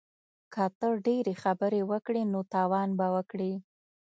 که ته ډیرې خبرې وکړې نو تاوان به وکړې